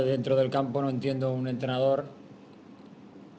di dalam permainan tidak mengerti seorang pelatih